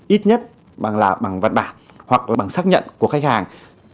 ít nhất bằng vật bản hoặc bằng xác nhận của khách hàng